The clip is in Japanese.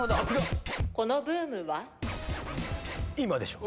今でしょ！